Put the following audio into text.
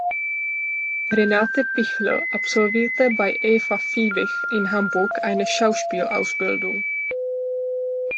Renate Pichler absolvierte bei Eva Fiebig in Hamburg eine Schauspielausbildung.